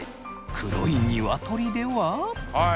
黒いニワトリでは？